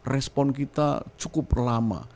respon kita cukup lama